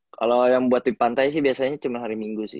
kalau yang buat di pantai sih biasanya cuma hari minggu sih